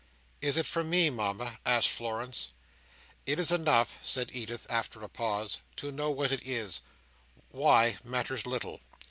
"Is it for me, Mama?" asked Florence. "It is enough," said Edith, after a pause, "to know what it is; why, matters little.